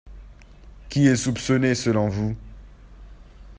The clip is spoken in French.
Qui est soupçonné selon vous ?